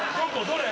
どれ？